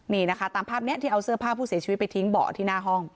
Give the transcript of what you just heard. นี่นะคะตามภาพนี้ที่เอาเสื้อผ้าผู้เสียชีวิตไปทิ้งเบาะที่หน้าห้อง